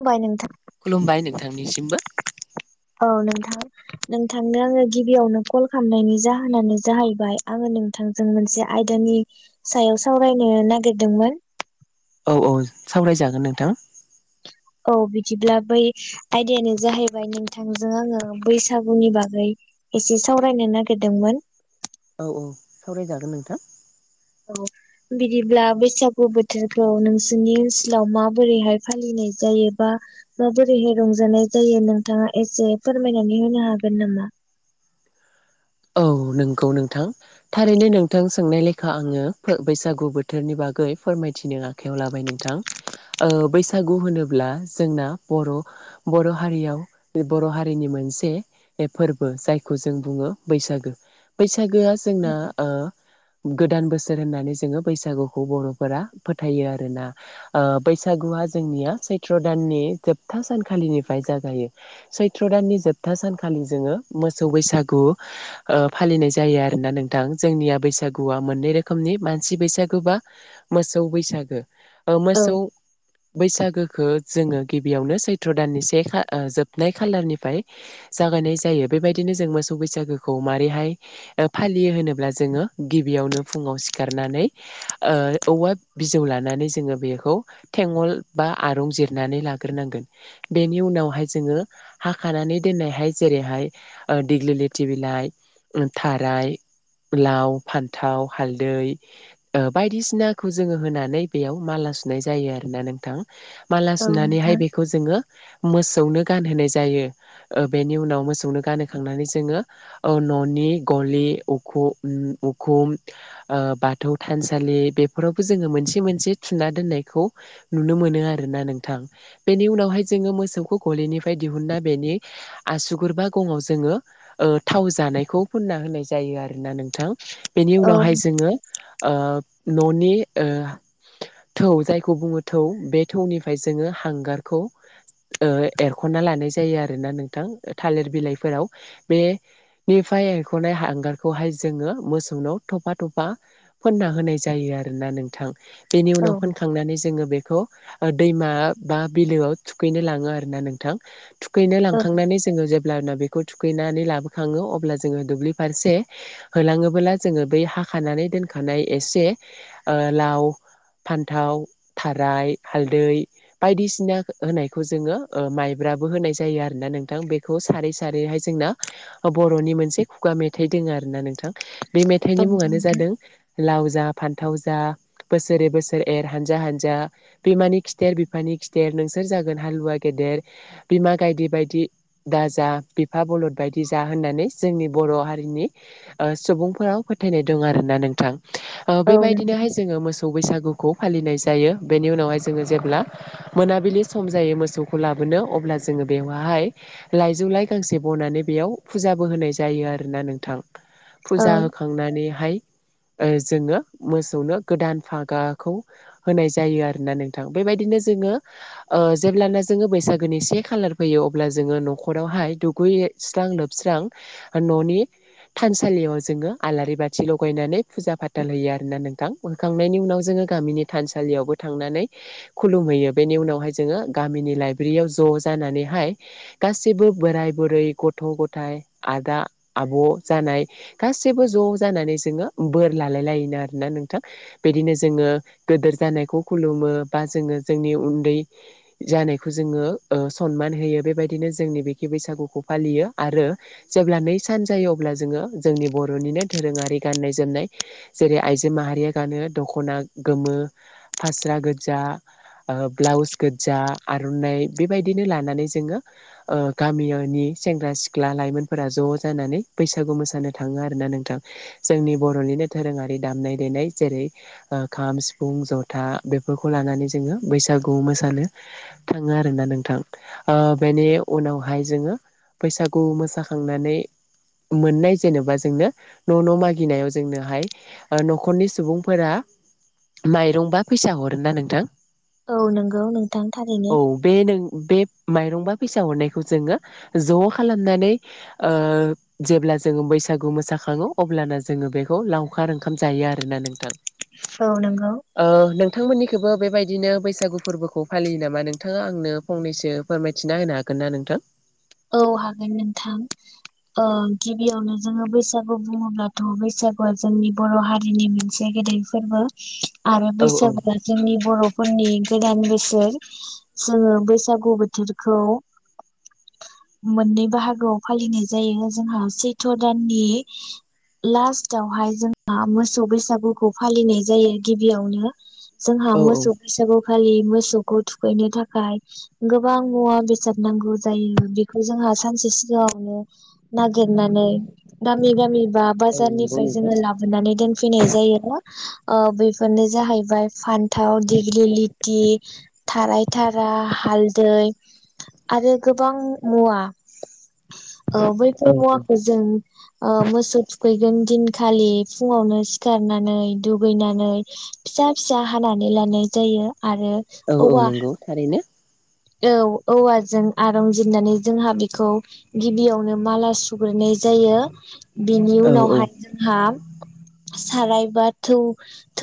[unintelligible] नोंथां खुलुमबाय नोंथांनिसिमबो औ नोंथां नोंथांनो आङो गिबियावनो कल खालामनायनि जाहोनानो जाहैबाय आङो नोंथांजों मोनसे आयदा नि सायाव सावरायनो नागिरदोंमोन। औ औ सावरायजागोन नोंथां। औ बिदिब्ला बै आयदायानो जाहैबाय नोंथांजों आंङो बैसागुनि बागै। एसे सावरायनो नागिरदोंमोन। औ औ सावरायजागोन नोंथां। औ। बिदिब्ला बैसागु बोथोरखौ नोंसोरनि ओनसोलाव माबोरैहाय फालिनाय जायोबा। माबोरैहाय रंजानाय जायो नोंथाङा एसे फोरमायनानै होनो हागोन नामा?? औ नंगौ नोंथां थारैनो नोंथां सोंनाय लेखा आंङो बैसागु बोथोरनि बाग बागै फोरमायथिनो आखाइयाव लाबाय नोंथां बैसागु होनोब्ला जोंना बर' बर' हारियाव बर' हारिनि मोनसे फोरबो जायखौ जों बुङो। बैसागु बैसागुआ जोंना ओ गोदान बोसोर होननानै जोङो बैसागुखौ बर'फोरा फोथायो आरोना बैसागु। जोंनिया सैत्र दाननि जोबथा सानखालिनिफ्राय जागायो सैत्र दाननि जोबथा सान। सानखालि जोंङो मोसौ बैसागु। ओ फालिनाय जायो आरोना नोंथां जोंनिया बैसागुआ मोननै रोखोमनि मानसि बैसागु बा मोसौ बैसागु ओ औ मोसौ। बैसागुखौ जोंङो गिबियावनो सैत्र दाननि जोबनाय खालारनिफ्राय। जागायनाय जायो बेबायदिनो जों मोसौ बैसागु। [unintelligible] मारैहाय फालियो होनोब्ला जोंङो गिबियावनो फुङाव सिखारनानै। ओ औवा बिजौ लानानै जोंङो बेखौ थेंगल बा आरुं जिरनानै लाग्रोनांगोन। बेनि उनावहाय जोंङो हाखानानै दोननायहाय जेरैहाय दिग्लि लिट टि बिलाइ थाराइ। लाव फान्थाव हालदै बायदिसिनाखौ जोंङो होनानै बेयाव माला माला सुनाय जायो। आरोना नोंथां माला औ सुनानैहाय नोंथां बेखौ जोंङो। मोसौनो गानहोनाय जायो बेनि उनाव मोसौनो गानहोखांनानै जोंङो। ननि गलि उखुम बाथौ थानसालि। बेफोरावबो जोंङो मोनसे मोनसे थुना दोननायखौ नुनो मोनो आरोना नोंथां बेनि। उनावहाय जोंङो मोसौखौ गलिनिफ्राय दिहुनना बेनि आसुगुरबा गंआव जोंङो। थाव जानायखौ फुनना होनाय जायो आरो ना नोंथां बेनि औ उनावहाय जोंङो ननि। थौ जायखौ बुङो थौ बे थौनिफ्राय जोंङो हांगारखौ। एरखना लानाय जायो आरो ना नोंथां थालिर बिलाइफोराव। बेनिफ्राय एरखनाय हांगारखौहाय जोंङो मोसौनाव थफा थफा फोननानै। फोनना होनाय जायो आरोना नोंथां बेनि औ उनाव फोनखांनानै जोंङो बे। खौ दैमा बा बिलोआव थुखैनो लांङो आरोना नोंथां। थुखैनो औ लांखांनानै जोंङो जेब्लाना बेखौ थुखैनानै। लाबोखांङो अब्ला जोंङो दुब्लि फारसे होलाङोब्ला जोंङो बै हाखानानै दोनखानाय एसे। से लाव। फान्थाव थाराय हालदै बायदिसिना होनायखौ जोंङो माइब्रा। मायब्राबो होनाय जायो आरोना नोंथां बेखौ सारै सारैहाय जोंना। बरनि मोनसे खुगा मेथाइ दंङ आरोना नोंथां बे मेथाइनि औ मुङानो जादों। लाव जा फान्थाव जा बोसोरै बोसोर एर हानजा हानजा बिमानि खिथेर बिफानि। खिथेर नोंसोर जागोन हालुवा गेदेर बिमा गायदे बायदि दाजा बिफा बलद बायदि। जा होननानै जोंनि बर हारिनि सुबुंफोराव फोथायनाय दं आरोना नोंथां। औ नंगौ बेबायदिनोहाय जोंङो मोसौ बैसागु। खौ फालिनाय जायो बेनि उनावहाय जोंङो जेब्ला मोनाबिलि सम जायो मोसौखौ लाबोनो अब्ला। जोंङो बेयावहाय लाइजौ लाय गांसे बनानै। बेयाव फुजाबो होनाय जायो आरोना नोंथां औ फुजा होखांनानैहाय। [inaudible] जोंङो मोसौनो गोदान फागाखौ होनाय जायो आरोना नोंथां बेबायदिनो जों। जेब्लाना जोंङो बैसागुनि से खालार फैयो अब्ला जोंङो नखरावहाय दुगै। स्रां लोबस्रां न'नि थानसालियाव जोङो आलारि बाथि लगायनानै फुजा फाथाल होयो आरो ना नोंथां होखांनायनि उनाव जोङो गामिनि थानसालियावबो थांनानै खुलुमैयो बेनि उनावहाय जोङो गामिनि लाइब्रेरियाव ज जानानै हाय गासिबो बोराय बुरै गथ' गथाय आदा आब' जानाय गासैबो ज' जानानै जोङो बोर लालाय लायोनो आरनो नोंथां बिदिनो जोङो गोदोर जानायखौ खुुलुमो बा जोङो जोंनि उन्दै जानायखौ जोङो ओ सनमान होयो बेबायदिनो जोंनि बेखे बैसागुखौ फालियो आरो जेब्ला नै सान जायो अब्ला जोङो जोंनि बर'निनो दोरोङारि गाननाय जोमनाय जेरै आइजो माहारिया गानो दख'ना गोमो फास्रा गोजजा ओ ब्लाउस गोजा आर'नाइ बेबायदिनो लानानै जोङो ओ गामिनि सेंग्रा सिख्ला लाइमोनफोरा ज' जानानै बैसागु मोसानो थाङो आरोना नोंथां जोंनि बर'नि दोरोङारि दामनाय देनाय जेरै खाम सिफुं जथा बेफोरखौ लानानै जोङो बै बैसागु मोसानो थाङो आरोना नोंथां ओ बेनि उनावहाय जोङो बैसागु मोसाखांनानै मोननाय जेनबा जोंनो न' न' मागिनायाव जोंनोहाय न'खरनि सुबुंफोरा माइरंबा फैसा हरो ना नोंथां औ नोंगौ नोंथां औ थारैनो बे नों बे माइरं बा फैसा हरनायखौ जोङो ज' खालामनानै ओ जेब्ला जोङो बैसागु मोसााखङो अब्लाना जोङो बेखौ लावखार ओंखाम जायो आरोना नोंथां औ नोंगौ ओ नोंथांमोननिखौबो बेबायदिनो बैसागु फोर्बोखौ फालियो नामा नोंथाङा आंनो फंनैसो फोरमायथिना होनो हागोन ना नोंथां औ हागोन नोंथां ओं गिबियावनो जोङो बैसागु बुङोब्लाथ बैसागुआ जोंनि बर' हारिनि मोनसे दै फोर्बो आरो औ औ बैसागुआ जोंनि बर' फोरनि गोदान बोसोर जोङो बैसागु बोथोरखौ मोननै बाहागोआव फालिनाय जायो जोंहा सैथ' दाननि लास्टावहाय जोंहा मोसौ बैसागुखौ फालिनाय जायो गिबियावनो जोंहा औ औ मोसौ बैसागु फालियो मोसौखौ थुखैनो थाखाय गोबां मुवा बेसाद नांगौ जायो बेखौ जोंहा सानसे सिगाङावनो नागिरनानै गामि गामि बा औ नंगौ बाजारनिफ्राय नोंथां जोङो लाबोनानै दोनफैनाय जायोना ओ बेफोरनो जाहैबाय फान्थाव दिग्लिलिथि थाराय थारा हालदै आरो गोबां मुवा औ औ बैफोर औ मुवाखौ जों ओ मोसौ थुखैगोन दिन खालि फुङावनो सिखारनानै दुगैनानै फिसा फिसा हानानै लानाय जायो । आरो औ औ औवा नंगौ थारैनो औ औवाजों आरमजिरनानै जोंहा बेखौ गिबियावनो माला सुग्रोनाय जायो बिनि औ औ उनावहाय जोंहा साराय बा थौ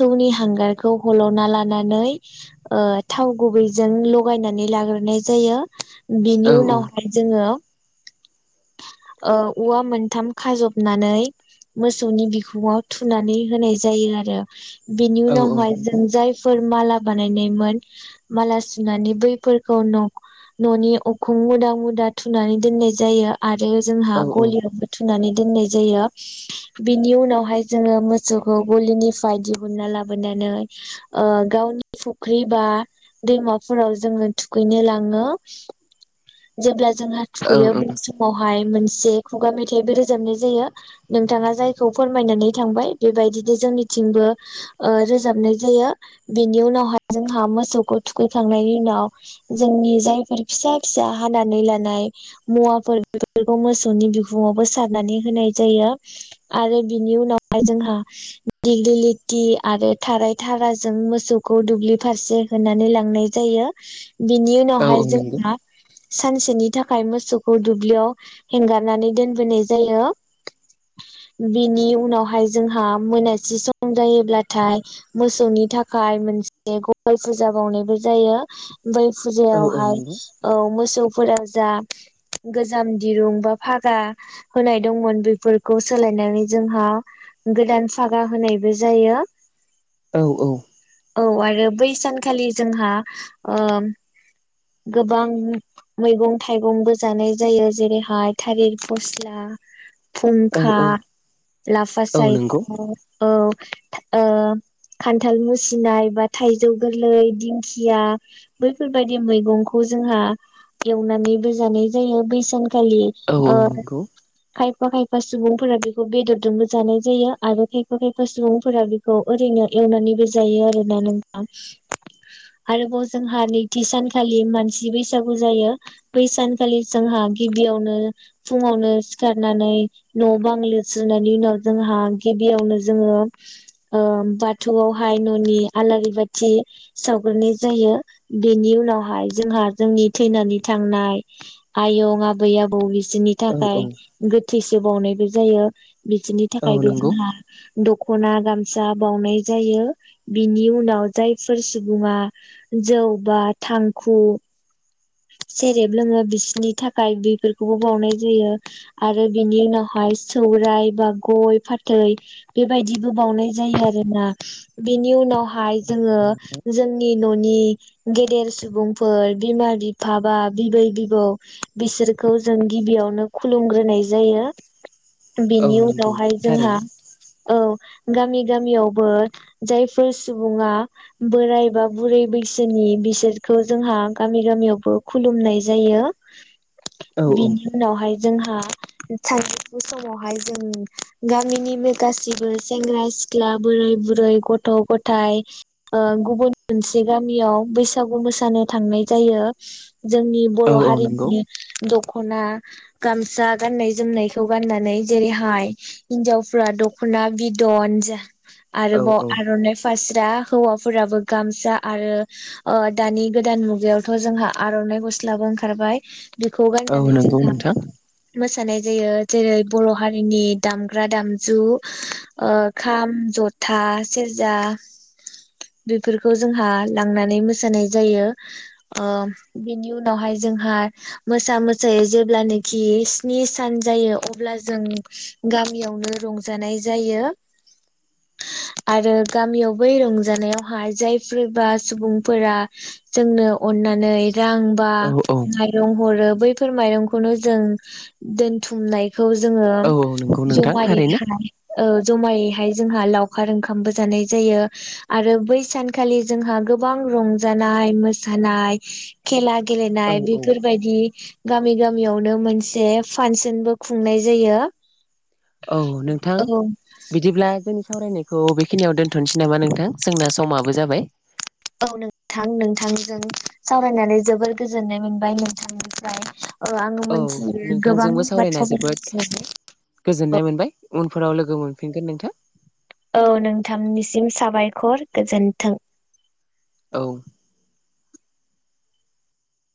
थौनि हांगारखौ हल'ना लानानै ओ थाव गुबै जों लगायनानै लाग्रोनाय जायो औ बिनि उनावहाय जोङो ओ औवा मोनथाम खाजबनानै मोसौनि बिखुंआव थुनानै होनाय जायो आरो। बिनि औ औ उनावहाय नंगौ जों जायफोर माला बानायनायमोन माला सुनानै बैफोरखौ नख न'नि अख मुदा मुदा थुनानै दोननाय जायो आरो जोंहा औ गलियावबो थुनानै दोननाय जायो बिनि उनावहाय जोङो मोसौखौ गलिनिफाय दिहुनना लाबोनानै नो ओ गावनि फुख्रि बा दैमाफोराव जोङो थुखैनो लाङो जेब्ला जोंहा औ थुखैयो समावहाय मोनसे खुगा मेथाइबो रोजाबनाय जायो नोंथाङा जायखौ फोरमायनानै थांबाय बेबायदि जोंनिथिंबो रोजाबनाय ओ जायो बिनि उनावहाय जोंहा मोसौखौ थुखै खांनायनि उनाव जोंनि जायफोर फिसा-फिसा हानानै लिनाय मुवाफोर बेफोरखौ मोसौनि बिखुङावबो सारनानै होनाय जायो आरो बिनि उनावहाय जोंहा दिगिलिटि आरो थाराय थाराजों मोसौखौ दुब्लि फारसे होनानै लां नाय जायो‌ बिनि औ औ उनावहाय नंगौ जोंहा सानसेनि थाखाय मोसौखौ दुब्लियाव हेंगारनानै दोनबोनाय जायो। बिनि उनावहाय जोंहा मोनासि सम जायोब्लाथाय मोसौनि थाखाय मोनसे गय फुजा बावनायबो जायो। बै औ औ फुजायावहाय नंगौ औ मोसौफोराव जा गोजाम दिरुं बा फागा होनाय दंमोन बेफोरखौ सोलायनानै जोंहा गोदान फागा होनायबो जायो। औ औ औ आरो बै सानखालि जोंहा ओ गोबां मैगं-थाइगंबो जानाय जायो जेरैहाय थालिर फस्ला, औ फुंखा, लाफा औ सायख', नंगौ औ ओ खान्थाल मुसिनाय बा थाइजौ गोरलै दिंखिया बैफोरबायदि मैगंखौ जों हा एवनानैबो जानाय जायो बै सानखालि औ ओ नंगौ औ खायफा खायफा सुबुंफोरा बेखौ बेदरजोंबो जानाय जायो आरो खायफा खायफा सुबुंफोरा बेखौ ओरै नो एवनानैबो जायो आरो नोंथां। आरोबाव जोंहा नैथि सानखालि मानसि बैसागु जायो बै सान खालि जोंहा गिबियावनो फुङावनो सिखारनानै न' बां लिस्रोननायनि उनाव जोंहा गिबियावनो जोङो ओ बाथौआवहाय न'नि सावग्रोनाय जायो बेनि उनावहाय जोंहा जोंनि थैनानै थांनाय आयं आबै आबौ बिसोरनि थाखाय औ गोथैसि बावनायबो जायो बिसिनि औ थाखायबो नंगौ जोंहा दख'ना गामसा बावनाय जायो बिनि उनाव जायफोर सुबुङा जौ बा थांखु सेरेब लोङो बिसिनि थाखाय बेफोरखौबो बावनाय जायो आरो बेनि उनावहाय सौराय बा गय फाथै बेबायदिबो बावनाय जायो आरोना बेनि उनाव हाय जोङो जोंनि न'नि गेदेर सुबुंफोर बिमा बिफा बा बिबै बिबौ बिसोरखौ जों गिबियावनो खुलुमग्रोनाय जायो औ बेनि नंगौ उनावहाय जोंहा थारैनो औ गामि गामियावबो जायफोर सुबुङा बोराय बा बुरै बैसोनि बिसोरखौ जोंहा गामि गामियावबो खुलुमनाय जायो औ औ बिनि उनावहाय जोंहा सानजौफु समावहाय जों गामिनिनो गासिबो सेंग्रा सिख्ला बोराय बुरै गथ' गथाय ओ गुबुन मोनसे गामियाव बैसागु मोसानो थांनाय जायो जोंनि औ बर' औ नंगौ हारिनि दं ख'ना गामसा गाननाय जोमनायखौ गाननानै जेरैहाय हिनजावफ्रा दख' न बिदन जा औ आरोबाव औ आर'नाय फा स्रां हौवाफोराबो गामसा आरो ओ दानि गोदान मुगायावथ' जोंहा आर'नाइ गस्लाबो ओंखारबाय बेखौ औ गाननानै नंगौ जोंहा नोंथां मोसानाय जायो जेरै बर' हारिनि दामग्रा दामजु खाम जथा सेरजा बेफोरखौ जोंहा लांनानै मोसानाय जायो ओ बेनि उनावहाय जोंहा मोसा मोसायै जेब्लानोखि स्नि सान जायो अब्ला जों गामियावनो रंजानाय जायो आरो गामियाव बै रंजानायावहाय जाय सोरबा सुबुंफोरा जोंनो अननानै रांबा औ औ माइरं हरो बैफोर माइरंखौनो जों दोनथुमनाय खौ जोङो औ औ नंगौ नोंथां जमायै थारैनो थानाय ओह जमायैहाय जोंहा लावखार ओंखामबो जानाय जायो आरो बै सानखालि जोंहा गोबां रंजानाय मोसानाय खेला औ गेलेनाय औ बेफोरबायदि गामि गामियावनो मोनसे फासनबो खुंनाय जायो औ नोंथां औ बिदिब्ला जोंनि सावरायनायखौ बबेखिनियाव दोनथ'नोसै नामा नोंथां जोंना समाबो जाबाय औ नोंथां नोंथांजों सावरायनानै जोबोर गोजोननाय मोनबाय नोंथांनिफ्राय औ आङो मिथियो गोबां नोंथांजोंबो सावरायना बाथ्रा जोबोद मिथि गोजोननाय औ मोनबाय उनफोराव लोगो मोनफिनगोन नोंथां औ नोंथांनिसिम साबायखर गोजोन्थों औ